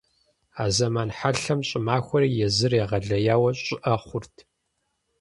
А зэман хьэлъэм щӀымахуэри езыр егъэлеяуэ щӀыӀэ хъурт.